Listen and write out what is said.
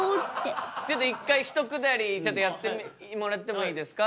ちょっと一回一くだりちょっとやってもらってもいいですか？